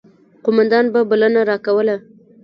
قوماندان به بلنه راکوله.